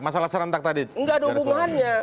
masalah serentak tadi tidak ada hubungannya